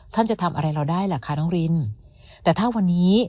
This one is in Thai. จะทำอะไรเราได้ล่ะคะน้องรินแต่ถ้าวันนี้